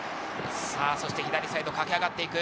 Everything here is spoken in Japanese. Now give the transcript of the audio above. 左サイド、駆け上がっていく。